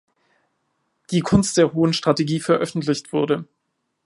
Die Kunst der hohen Strategie" veröffentlicht wurde.